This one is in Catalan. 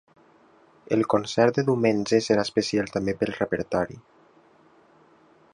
El concert de diumenge serà especial també pel repertori.